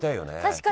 確かに。